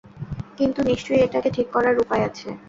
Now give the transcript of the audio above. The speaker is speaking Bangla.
কিন্তু নিশ্চয়ই এটাকে ঠিক করার উপায় আছে।